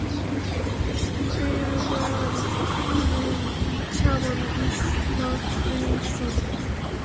Imperial Brands' chairman is Mark Williamson.